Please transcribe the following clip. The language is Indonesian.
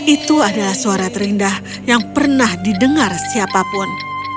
itu adalah suara terindah yang pernah didengar siapapun